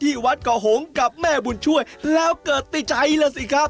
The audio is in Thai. ที่วัดก่อหงษ์กับแม่บุญช่วยแล้วเกิดติดใจแล้วสิครับ